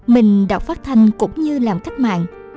mình đọc phát thanh cũng như làm cách mạng